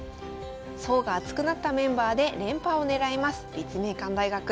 層が厚くなったメンバーで連覇をねらいます立命館大学。